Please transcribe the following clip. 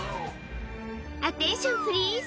アテンション・プリーズ。